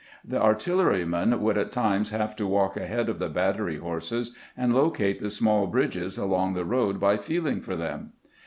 The artillerymen would at times have to walk ahead of the battery horses, and locate the small bridges along the road by feeling for them.